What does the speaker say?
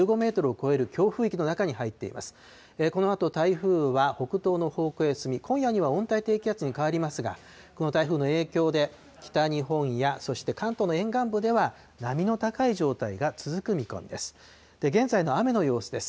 このあと台風は北東の方向へ進み、今夜には温帯低気圧に変わりますが、この台風の影響で、北日本や、そして関東の沿岸部では、波の高い状態が続く見込みです。